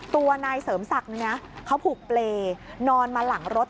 ตัวนายเสริมศักดิ์เขาผูกเปรย์นอนมาหลังรถ